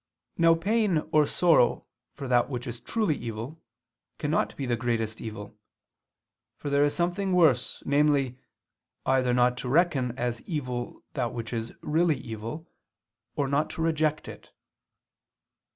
Now pain or sorrow for that which is truly evil cannot be the greatest evil: for there is something worse, namely, either not to reckon as evil that which is really evil, or not to reject it.